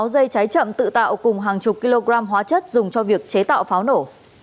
sáu dây cháy chậm tự tạo cùng hàng chục kg hóa chất dùng cho việc chế tạo pháo nổ